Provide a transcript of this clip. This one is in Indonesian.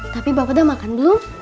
tapi bapak udah makan dulu